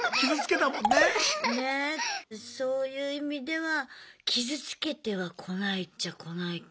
そういう意味では傷つけてはこないっちゃこないか。